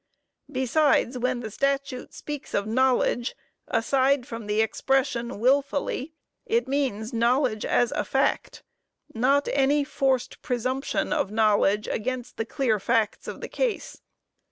Besides when the statute speaks of "knowledge," aside from the expression "wilfully" it means knowledge as a fact not any forced presumption of knowledge against the clear facts of the case.